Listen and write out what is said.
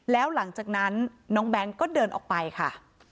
แล้วหลังจากนั้นน้องแบงค์ก็เดินออกไปค่ะ